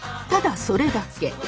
ただそれだけ。